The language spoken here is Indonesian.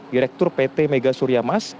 direktur pt mega surya mas